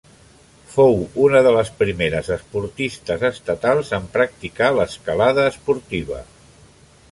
Fou una de les primeres esportistes estatals en practicar l'escalada esportiva.